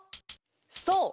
そう！